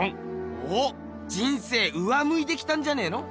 おっ人生上むいてきたんじゃねえの？